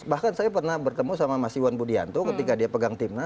bahkan saya pernah bertemu sama mas iwan budianto ketika dia pegang timnas